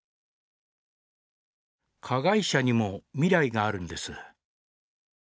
「加害者にも未来があるんです」